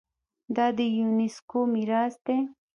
دا د یونیسکو میراث دی.